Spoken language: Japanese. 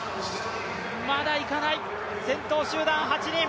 まだいかない、先頭集団８人。